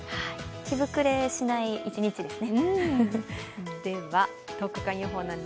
着膨れしない一日ですね。